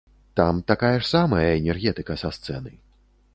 Там такая ж самая энергетыка са сцэны.